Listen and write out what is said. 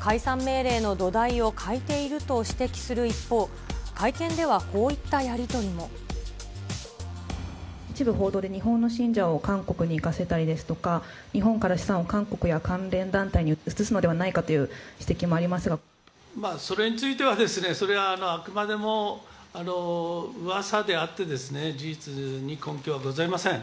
解散命令の土台を欠いていると指摘する一方、一部報道で、日本の信者を韓国に行かせたりですとか、日本から資産を韓国や関連団体に移すのではないかという指摘もあそれについてはですね、それはあくまでもうわさであってですね、事実に根拠はございません。